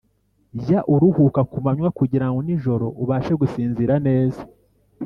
Jya uruhuka ku manywa kugirango nijoro ubashe gusinzira neza.